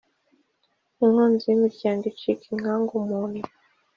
Inkunzi y’imiryango icika inkangu mu nnyo.